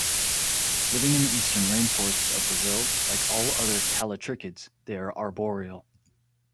Living in the eastern rainforests of Brazil, like all other callitrichids they are arboreal.